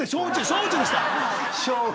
小でした。